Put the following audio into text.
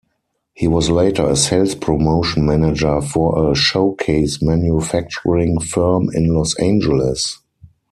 He was later a sales-promotion manager for a showcase-manufacturing firm in Los Angeles.